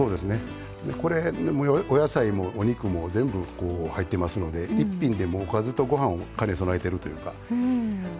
これ、お野菜もお肉も全部、入ってますので１品でもおかずとご飯を兼ね備えているというか。